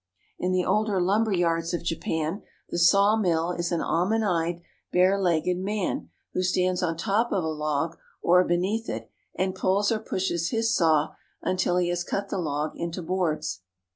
In the older lumberyards of Japan the sawmill is an almond eyed, barelegged man, who stands on top of a log or beneath it and pulls or pushes his saw until he has cut the log into boards.